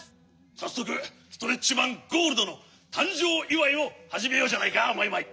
さっそくストレッチマン・ゴールドのたんじょういわいをはじめようじゃないかマイマイ。